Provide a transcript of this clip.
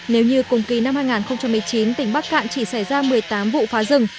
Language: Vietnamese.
nếu như cùng kỳ năm hai nghìn một mươi chín tỉnh bắc cạn chỉ xảy ra một mươi tám vụ phá rừng